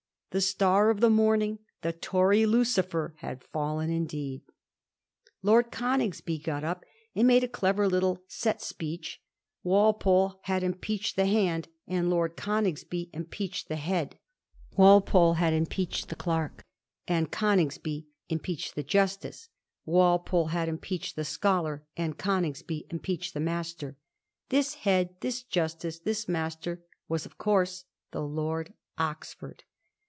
The star of the mom ^ ing, the Tory Lucifer, had fallen indeed ! Lord •Coningsby got up and made a clever little set speech^ Walpole had impeached the hand, and Lord Coningsby impeached the head ; Walpole had impeached the clerk, and Coningsby impeached the justice ; Walpole had impeached the scholar, and Coningsby impeached the master. This head, this justice, this master, was, of course, the Lord Oxford.